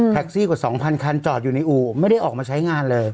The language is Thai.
ซี่กว่า๒๐๐คันจอดอยู่ในอู่ไม่ได้ออกมาใช้งานเลย